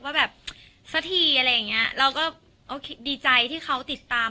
ว่าแบบสักทีอะไรอย่างเงี้ยเราก็โอเคดีใจที่เขาติดตาม